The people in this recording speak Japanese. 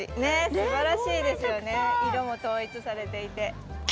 すばらしいですよね色も統一されていて。